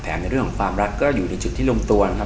ในเรื่องของความรักก็อยู่ในจุดที่ลงตัวนะครับ